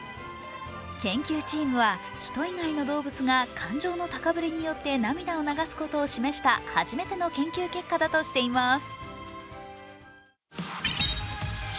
研究チームは人以外の動物が感情の高ぶりによって涙を流すことを示した初めての研究結果だとしています。